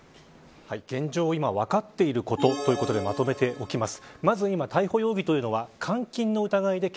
現状、今分かっていることということでまとめておきます。